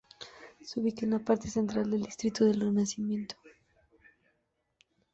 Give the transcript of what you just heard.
Se ubica en la parte central del distrito de Renacimiento.